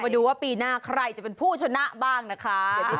ดูว่าปีหน้าใครจะเป็นผู้ชนะบ้างนะคะ